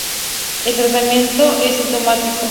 El tratamiento es sintomático.